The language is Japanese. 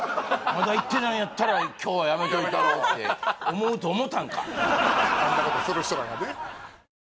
「まだ行ってないんやったら今日はやめといたろ」って思うと思う